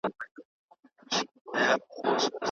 د لويي جرګې د امنیت له پاره کمربندونه چېرته جوړیږي؟